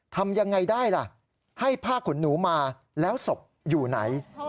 ทำยังไงได้ล่ะให้ผ้าขนหนูมาแล้วศพอยู่ไหน